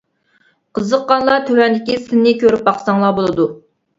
قىزىققانلار تۆۋەندىكى سىننى كۆرۈپ باقساڭلار بولىدۇ.